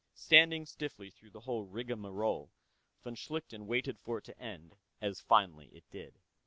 Standing stiffly through the whole rigamarole, von Schlichten waited for it to end, as finally it did.